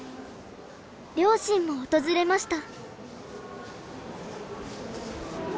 両親も訪れました。